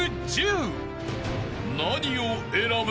［何を選ぶ？］